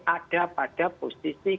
ada pada posisi